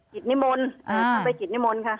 กิจนิมนต์เข้าไปกิจนิมนต์ค่ะ